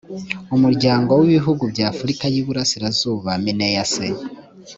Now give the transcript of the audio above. umuryango w’ibihugu by’afurika y’iburasirazuba mineac